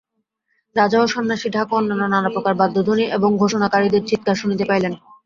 রাজা ও সন্ন্যাসী ঢাক ও অন্যান্য নানাপ্রকার বাদ্যধ্বনি এবং ঘোষণাকারীদের চীৎকার শুনিতে পাইলেন।